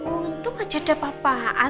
untung aja udah papaan